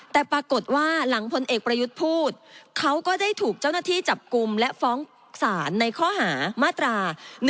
แต่ปรากฏว่าหลังพลเอกประยุทธ์พูดเขาก็ได้ถูกเจ้าหน้าที่จับกลุ่มและฟ้องศาลในข้อหามาตรา๑๑